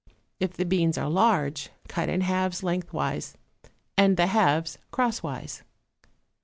If the beans are large, cut in halves lengthwise and the halves crosswise.